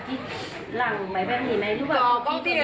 พวกมันเนียมอยากไปหล่ะ